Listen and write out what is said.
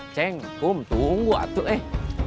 ceng kum tunggu atuh eh